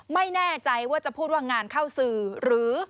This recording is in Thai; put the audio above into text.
ไม่แน่ใจว่าจะพูดว่างานเข้าสื่อหรือ